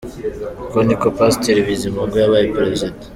Uko niko Pasteur Bizimungu yabaye Perezida.